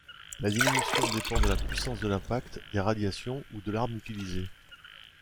La diminution dépend de la puissance de l'impact, des radiations ou de l'arme utilisée.